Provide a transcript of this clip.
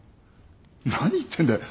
何言ってんだよ。